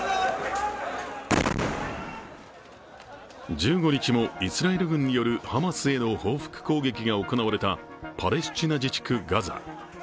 １５日もイスラエル軍によるハマスへの報復攻撃が行われたパレスチナ自治区ガザ。